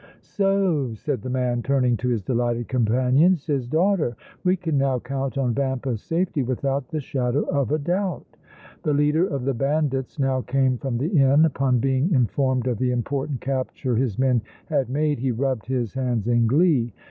"So!" said the man, turning to his delighted companions. "His daughter! We can now count on Vampa's safety without the shadow of a doubt!" The leader of the bandits now came from the inn; upon being informed of the important capture his men had made he rubbed his hands in glee.